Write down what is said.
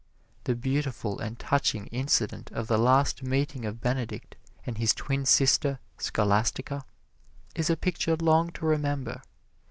The beautiful and touching incident of the last meeting of Benedict and his twin sister, Scholastica, is a picture long to remember.